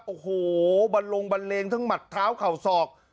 โอ้โหบันลงบันเลงทั้งหมัดเท้าเข่าศอก